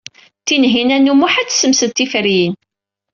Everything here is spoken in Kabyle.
Tinhinan u Muḥ ad tessemsed tiferyin.